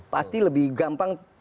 pasti lebih gampang